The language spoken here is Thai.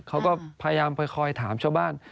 เขาก็พยายามคอยถามชาวบ้าน